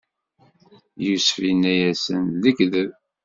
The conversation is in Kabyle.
Yusef inna-yasen: D lekdeb!